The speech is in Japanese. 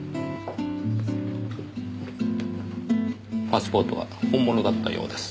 パスポートは本物だったようです。